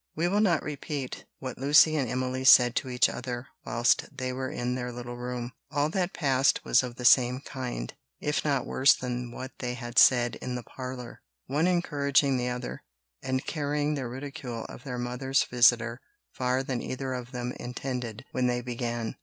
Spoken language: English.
We will not repeat what Lucy and Emily said to each other whilst they were in their little room: all that passed was of the same kind, if not worse than what they had said in the parlour; one encouraging the other, and carrying their ridicule of their mother's visitor farther than either of them intended when they began.